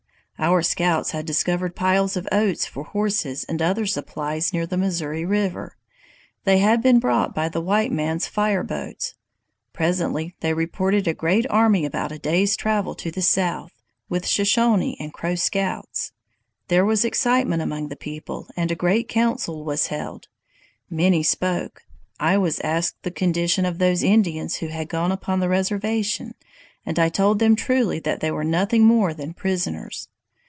Our scouts had discovered piles of oats for horses and other supplies near the Missouri River. They had been brought by the white man's fire boats. Presently they reported a great army about a day's travel to the south, with Shoshone and Crow scouts. "There was excitement among the people, and a great council was held. Many spoke. I was asked the condition of those Indians who had gone upon the reservation, and I told them truly that they were nothing more than prisoners.